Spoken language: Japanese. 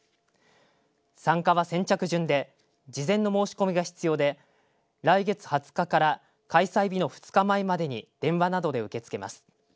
参加は先着順で事前の申し込みが必要で来月２０日から開催日の２日前までに電話などで受け付けます。